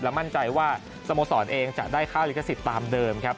มั่นใจว่าสโมสรเองจะได้ค่าลิขสิทธิ์ตามเดิมครับ